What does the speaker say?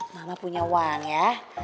mama punya uang ya